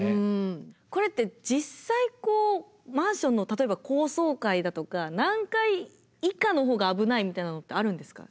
これって実際こうマンションの例えば高層階だとか何階以下のほうが危ないみたいなのってあるんですか？